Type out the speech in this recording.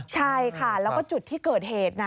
ใช่ค่ะแล้วก็จุดที่เกิดเหตุนะ